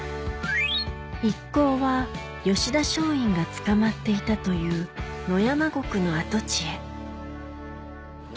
一行は吉田松陰が捕まっていたという野山獄の跡地へ誰？